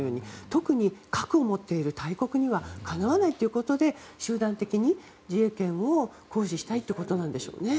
特に核を持っている大国にはかなわないということで集団的に自衛権を行使したいということなんでしょうね。